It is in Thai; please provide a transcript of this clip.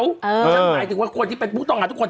ถ้าหมายถึงว่าคนที่เป็นผู้ต้องกับทุกคน